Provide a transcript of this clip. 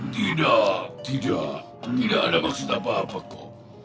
tidak tidak tidak ada maksud apa apa po